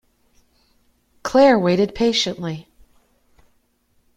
Claire waited patiently.